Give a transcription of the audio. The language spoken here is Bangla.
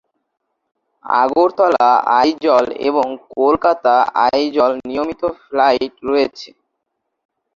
আগরতলা-আইজল এবং কলকাতা-আইজল নিয়মিত ফ্লাইট রয়েছে।